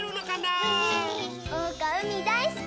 おうかうみだいすき！